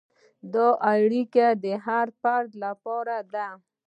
دا اړیکه د هر فرد لپاره ده.